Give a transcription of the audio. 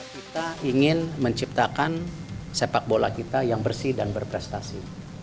kita ingin menciptakan sepak bola kita yang bersih dan berprestasi